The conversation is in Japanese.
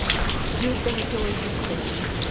重点教育地点になってるから。